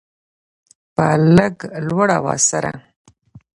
په لږ لوړ اواز سره